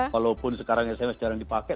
walaupun sekarang sms jarang dipakai